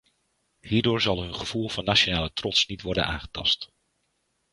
Hierdoor zal hun gevoel van nationale trots niet worden aangetast.